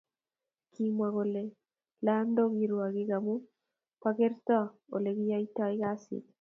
Kimwa kole lando kirwakik amu pko kerto olekiyayto kasit